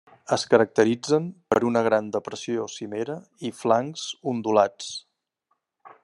Es caracteritzen per una gran depressió cimera i flancs ondulats.